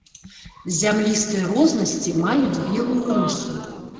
Зямлістыя рознасці маюць белую рысу.